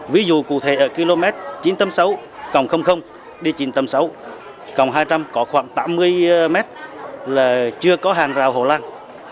ví dụ cụ thể ở km chín sáu cộng đi chín sáu cộng hai trăm linh có khoảng tám mươi m là chưa có hàng rào hồ lang